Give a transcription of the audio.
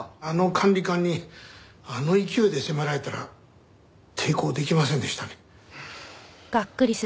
あの管理官にあの勢いで迫られたら抵抗できませんでしたね。